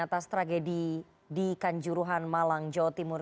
atas tragedi di kanjuruhan malang jawa timur